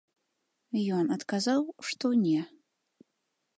Ён адказаў, што не.